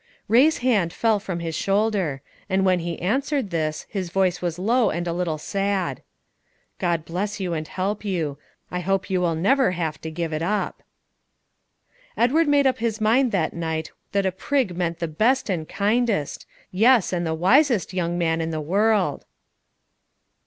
Ray's hand fell from his shoulder, and when he answered this, his voice was low and a little sad: "God bless you, and help you. I hope you will never have to give it up." Edward made up his mind that night that a prig meant the best and kindest, yes, and the wisest young man in the world.